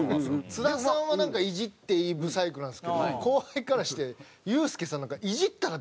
津田さんはなんかイジっていいブサイクなんですけど後輩からしてユースケさんはなんか。